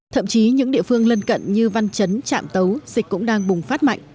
thậm chí những địa phương lân cận như văn chấn trạm tấu dịch cũng đang bùng phát mạnh